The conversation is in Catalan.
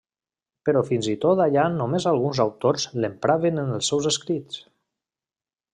Però fins i tot allà només alguns autors l'empraven en els seus escrits.